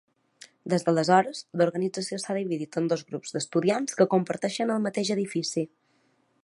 Des d'aleshores, l'organització s'ha dividit en dos grups d'estudiants que comparteixen el mateix edifici.